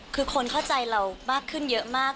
คือคนเข้าใจเรามากขึ้นเยอะมาก